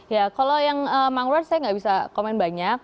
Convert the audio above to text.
ya kalau yang mongword saya nggak bisa komen banyak